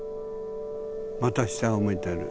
また下を向いてる。